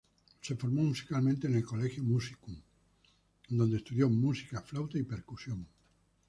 Se formó musicalmente en el Collegium Musicum, donde estudió música, flauta y percusión.